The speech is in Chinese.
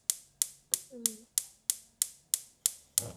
天山假狼毒是瑞香科假狼毒属的植物。